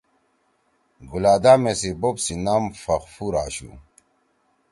گلادامے سی بوب سی نام فخفور آشُو۔